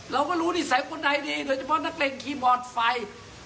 เราก็รู้นิสัยคนใดดีโดยเฉพาะนักเลงคีย์บอร์ดไฟ